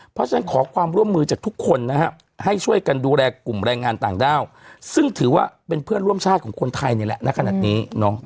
เพราะฉะนั้นขอความร่วมมือจากทุกคนนะฮะให้ช่วยกันดูแลกลุ่มแรงงานต่างด้าวซึ่งถือว่าเป็นเพื่อนร่วมชาติของคนไทยนี่แหละณขนาดนี้